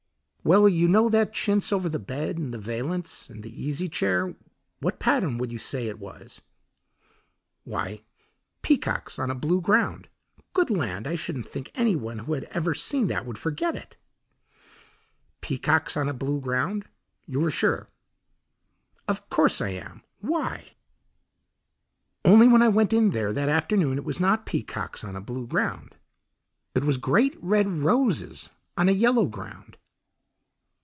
"Well, you know that chintz over the bed, and the valance, and the easy chair; what pattern should you say it was?" "Why, peacocks on a blue ground. Good land, I shouldn't think any one who had ever seen that would forget it." "Peacocks on a blue ground, you are sure?" "Of course I am. Why?" "Only when I went in there that afternoon it was not peacocks on a blue ground; it was great red roses on a yellow ground."